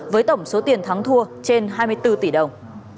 với tổng số tiền thắng thua trên hai mươi bốn tỷ đồng